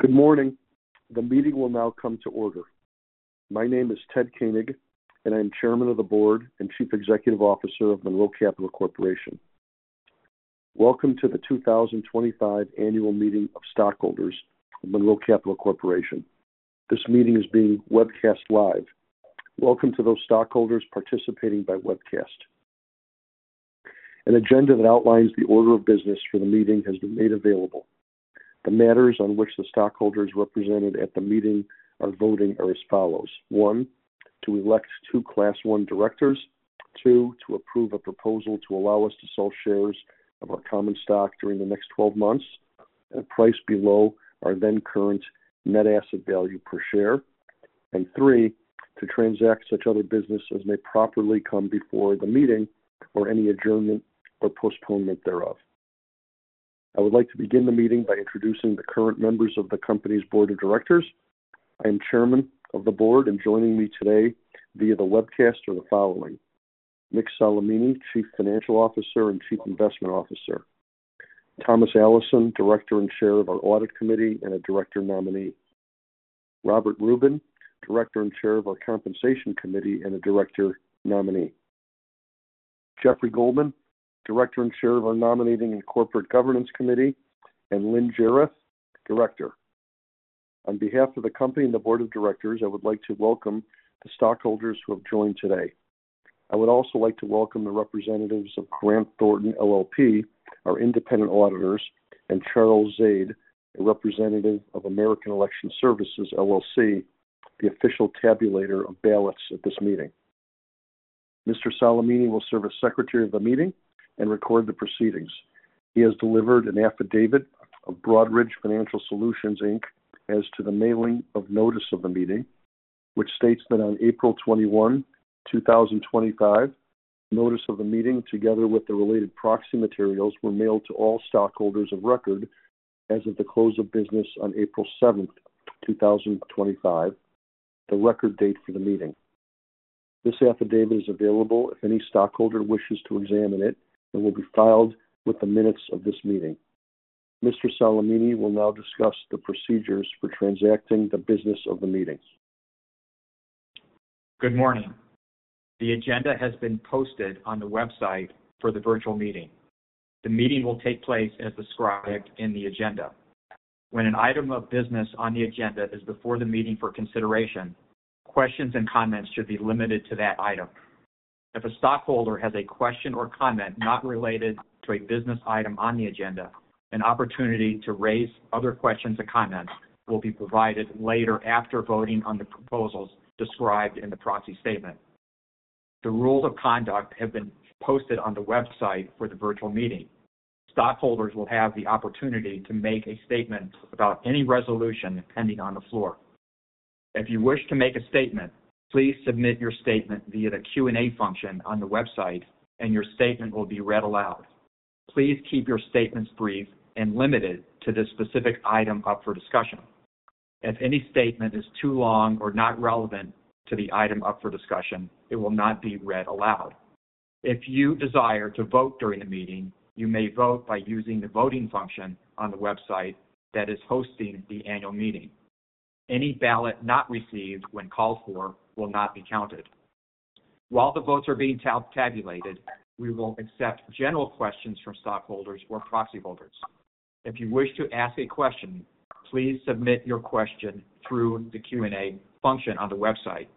Good morning. The meeting will now come to order. My name is Ted Koenig, and I am Chairman of the Board and Chief Executive Officer of Monroe Capital Corporation. Welcome to the 2025 Annual Meeting of Stockholders of Monroe Capital Corporation. This meeting is being webcast live. Welcome to those stockholders participating by webcast. An agenda that outlines the order of business for the meeting has been made available. The matters on which the stockholders represented at the meeting are voting are as follows: One, to elect two Class 1 directors. Two, to approve a proposal to allow us to sell shares of our common stock during the next 12 months at a price below our then-current net asset value per share. Three, to transact such other business as may properly come before the meeting or any adjournment or postponement thereof. I would like to begin the meeting by introducing the current members of the company's board of directors. I am Chairman of the Board, and joining me today via the webcast are the following: Mick Solimene, Chief Financial Officer and Chief Investment Officer; Thomas J. Allison, Director and Chair of our Audit Committee and a Director Nominee; Robert S. Rubin, Director and Chair of our Compensation Committee and a Director Nominee; Jeffrey Goldman, Director and Chair of our Nominating and Corporate Governance Committee; and Lynn Jareth, Director. On behalf of the company and the board of directors, I would like to welcome the stockholders who have joined today. I would also like to welcome the representatives of Grant Thornton, LLP, our independent auditors, and Charles Zade, a representative of American Election Services, LLC, the official tabulator of ballots at this meeting. Mr. Solimene will serve as Secretary of the Meeting and record the proceedings. He has delivered an affidavit of Broadridge Financial Solutions, Inc. as to the mailing of notice of the meeting, which states that on April 21, 2025, notice of the meeting together with the related proxy materials were mailed to all stockholders of record as of the close of business on April 7, 2025, the record date for the meeting. This affidavit is available if any stockholder wishes to examine it and will be filed with the minutes of this meeting. Mr. Solimene will now discuss the procedures for transacting the business of the meeting. Good morning. The agenda has been posted on the website for the virtual meeting. The meeting will take place as described in the agenda. When an item of business on the agenda is before the meeting for consideration, questions and comments should be limited to that item. If a stockholder has a question or comment not related to a business item on the agenda, an opportunity to raise other questions and comments will be provided later after voting on the proposals described in the proxy statement. The rules of conduct have been posted on the website for the virtual meeting. Stockholders will have the opportunity to make a statement about any resolution pending on the floor. If you wish to make a statement, please submit your statement via the Q&A function on the website, and your statement will be read aloud. Please keep your statements brief and limited to the specific item up for discussion. If any statement is too long or not relevant to the item up for discussion, it will not be read aloud. If you desire to vote during the meeting, you may vote by using the voting function on the website that is hosting the annual meeting. Any ballot not received when called for will not be counted. While the votes are being tabulated, we will accept general questions from stockholders or proxy voters. If you wish to ask a question, please submit your question through the Q&A function on the website.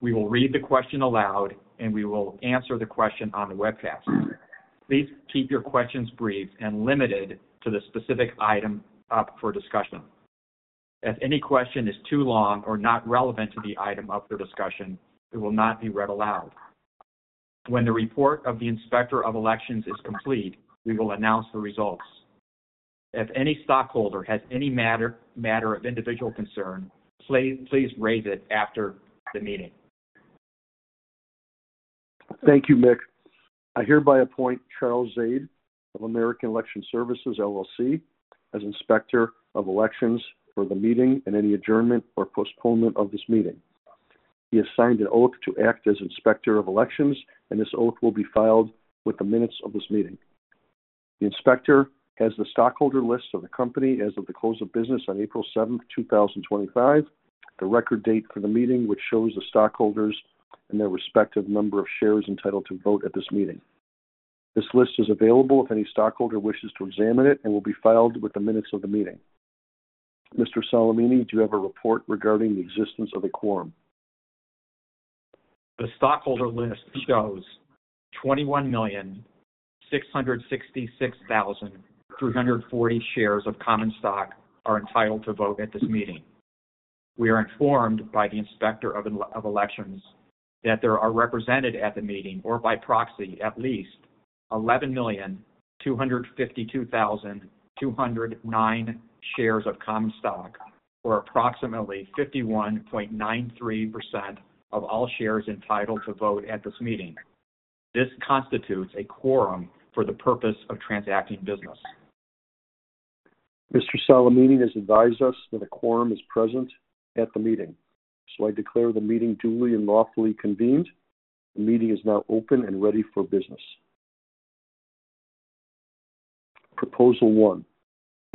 We will read the question aloud, and we will answer the question on the webcast. Please keep your questions brief and limited to the specific item up for discussion. If any question is too long or not relevant to the item up for discussion, it will not be read aloud. When the report of the Inspector of Elections is complete, we will announce the results. If any stockholder has any matter of individual concern, please raise it after the meeting. Thank you, Mick. I hereby appoint Charles Zade of American Election Services as Inspector of Elections for the meeting and any adjournment or postponement of this meeting. He has signed an oath to act as Inspector of Elections, and this oath will be filed with the minutes of this meeting. The Inspector has the stockholder list of the company as of the close of business on April 7, 2025, the record date for the meeting, which shows the stockholders and their respective number of shares entitled to vote at this meeting. This list is available if any stockholder wishes to examine it and will be filed with the minutes of the meeting. Mr. Solimene, do you have a report regarding the existence of a quorum? The stockholder list shows 21,666,340 shares of common stock are entitled to vote at this meeting. We are informed by the Inspector of Elections that there are represented at the meeting or by proxy at least 11,252,209 shares of common stock, or approximately 51.93% of all shares entitled to vote at this meeting. This constitutes a quorum for the purpose of transacting business. Mr. Solimene has advised us that a quorum is present at the meeting, so I declare the meeting duly and lawfully convened. The meeting is now open and ready for business. Proposal One.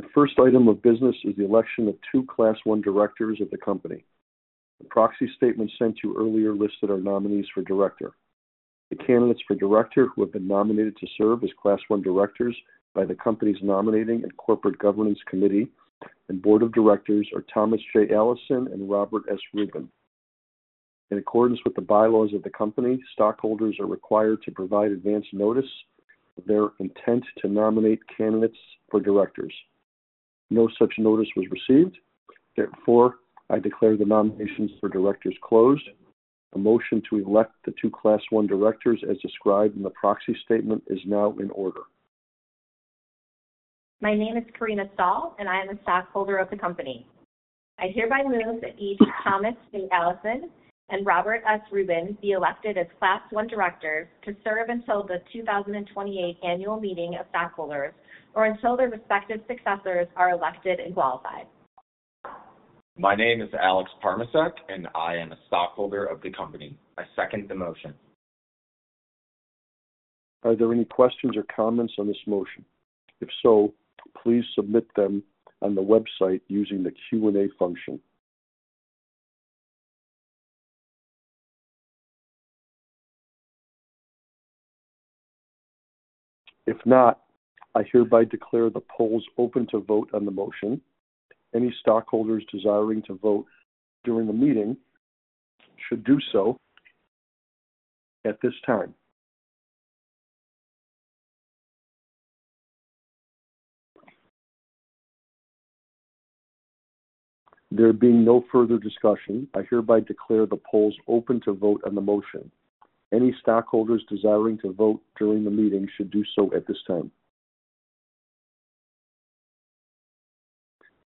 The first item of business is the election of two Class 1 directors of the company. The proxy statement sent to you earlier listed our nominees for director. The candidates for director who have been nominated to serve as Class 1 directors by the company's Nominating and Corporate Governance Committee and Board of Directors are Thomas J. Allison and Robert S. Rubin. In accordance with the bylaws of the company, stockholders are required to provide advance notice of their intent to nominate candidates for directors. No such notice was received. Therefore, I declare the nominations for directors closed. A motion to elect the two Class 1 directors as described in the proxy statement is now in order. My name is Corina Saul, and I am a stockholder of the company. I hereby move that each Thomas J. Allison and Robert S. Rubin be elected as Class 1 directors to serve until the 2028 Annual Meeting of Stockholders or until their respective successors are elected and qualified. My name is Alex Parmacek, and I am a stockholder of the company. I second the motion. Are there any questions or comments on this motion? If so, please submit them on the website using the Q&A function. If not, I hereby declare the polls open to vote on the motion. Any stockholders desiring to vote during the meeting should do so at this time. There being no further discussion, I hereby declare the polls open to vote on the motion. Any stockholders desiring to vote during the meeting should do so at this time.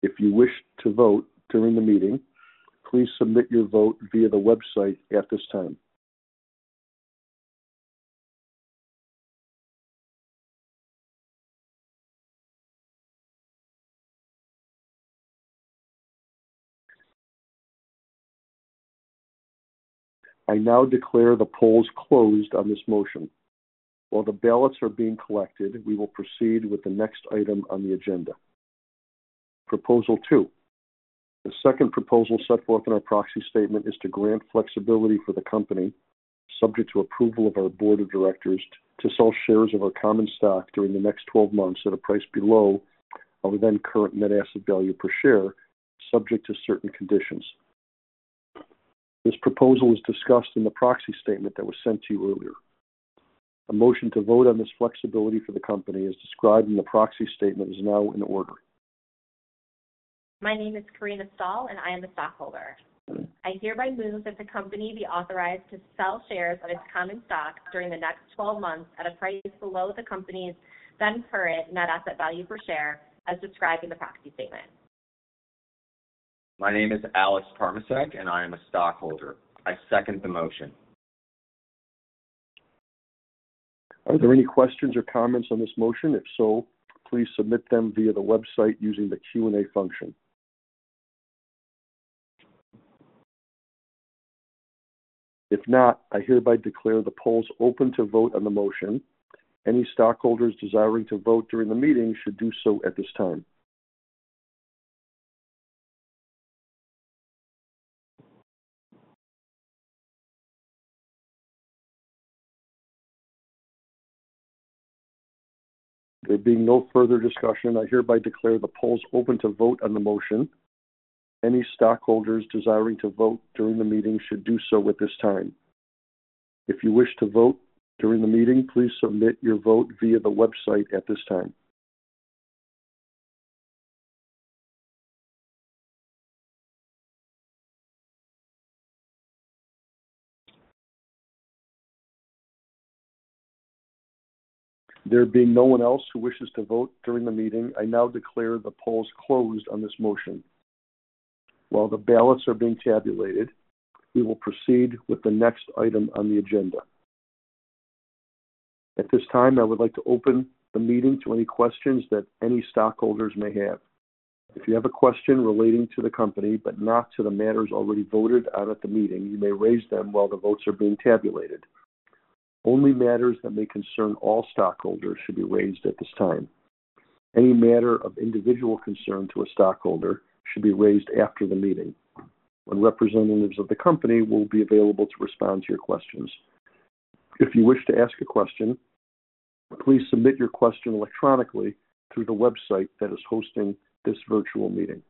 If you wish to vote during the meeting, please submit your vote via the website at this time. I now declare the polls closed on this motion. While the ballots are being collected, we will proceed with the next item on the agenda. Proposal Two. The second proposal set forth in our proxy statement is to grant flexibility for the company, subject to approval of our board of directors, to sell shares of our common stock during the next 12 months at a price below our then-current net asset value per share, subject to certain conditions. This proposal was discussed in the proxy statement that was sent to you earlier. A motion to vote on this flexibility for the company, as described in the proxy statement, is now in order. My name is Corina Saul, and I am a stockholder. I hereby move that the company be authorized to sell shares of its common stock during the next 12 months at a price below the company's then-current net asset value per share, as described in the proxy statement. My name is Alex Parmacek, and I am a stockholder. I second the motion. Are there any questions or comments on this motion? If so, please submit them via the website using the Q&A function. If not, I hereby declare the polls open to vote on the motion. Any stockholders desiring to vote during the meeting should do so at this time. There being no further discussion, I hereby declare the polls open to vote on the motion. Any stockholders desiring to vote during the meeting should do so at this time. If you wish to vote during the meeting, please submit your vote via the website at this time. There being no one else who wishes to vote during the meeting, I now declare the polls closed on this motion. While the ballots are being tabulated, we will proceed with the next item on the agenda. At this time, I would like to open the meeting to any questions that any stockholders may have. If you have a question relating to the company but not to the matters already voted on at the meeting, you may raise them while the votes are being tabulated. Only matters that may concern all stockholders should be raised at this time. Any matter of individual concern to a stockholder should be raised after the meeting, when representatives of the company will be available to respond to your questions. If you wish to ask a question, please submit your question electronically through the website that is hosting this virtual meeting.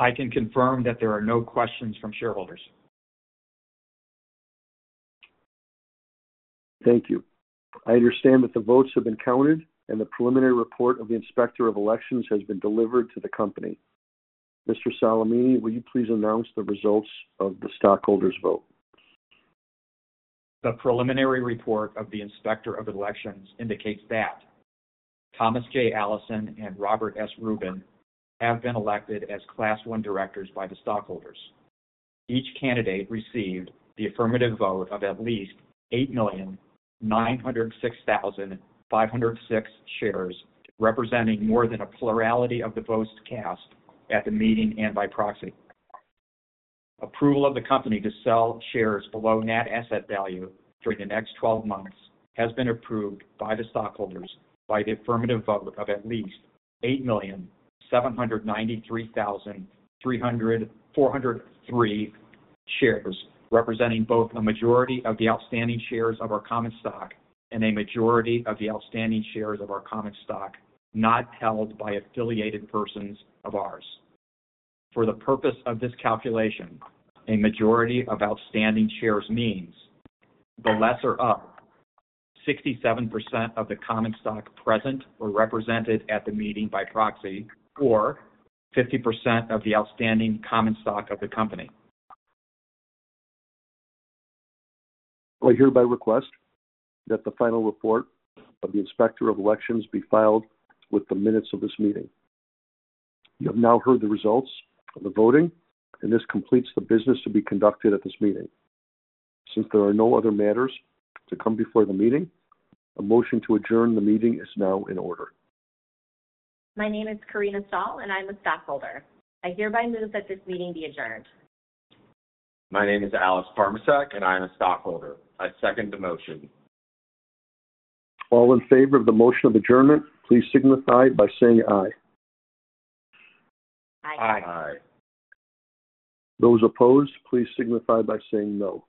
I can confirm that there are no questions from shareholders. Thank you. I understand that the votes have been counted and the preliminary report of the Inspector of Elections has been delivered to the company. Mr. Solimene, will you please announce the results of the stockholders' vote? The preliminary report of the Inspector of Elections indicates that Thomas J. Allison and Robert S. Rubin have been elected as Class 1 directors by the stockholders. Each candidate received the affirmative vote of at least 8,906,506 shares, representing more than a plurality of the votes cast at the meeting and by proxy. Approval of the company to sell shares below net asset value during the next 12 months has been approved by the stockholders by the affirmative vote of at least 8,793,303 shares, representing both a majority of the outstanding shares of our common stock and a majority of the outstanding shares of our common stock not held by affiliated persons of ours. For the purpose of this calculation, a majority of outstanding shares means the lesser of 67% of the common stock present or represented at the meeting by proxy or 50% of the outstanding common stock of the company. I hereby request that the final report of the Inspector of Elections be filed with the minutes of this meeting. You have now heard the results of the voting, and this completes the business to be conducted at this meeting. Since there are no other matters to come before the meeting, a motion to adjourn the meeting is now in order. My name is Corina Saul, and I'm a stockholder. I hereby move that this meeting be adjourned. My name is Alex Parmacek, and I'm a stockholder. I second the motion. All in favor of the motion of adjournment, please signify by saying aye. Aye. Aye. Those opposed, please signify by saying no.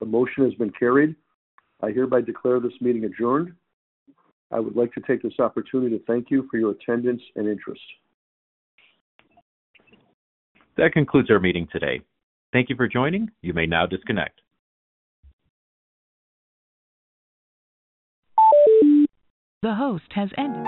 The motion has been carried. I hereby declare this meeting adjourned. I would like to take this opportunity to thank you for your attendance and interest. That concludes our meeting today. Thank you for joining. You may now disconnect. The host has ended.